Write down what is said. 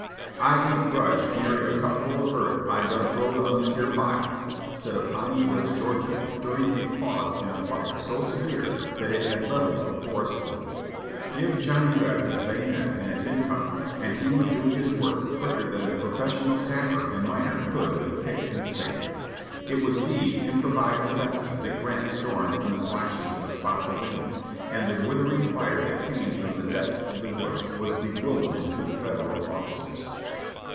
''I ain't grudged nary a cupful of earth I done throwed on this here pile," said a piney woods Georgian dur ing a pause in a fire so severe that it had leveled a forest oak. Give Johnny Reb his bayonet and a tin cup, and he would do his work quicker than a professional sapper and miner could with pick and spade. It was these improvised defenses that Grant stormed in the slashes of Spottsylvania; and the withering fire that came from the depths of the woods was bewildering to the Federal officers.